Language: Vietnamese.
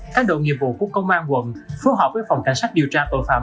các đội nghiệp vụ của công an quận phù hợp với phòng cảnh sát điều tra tội phạm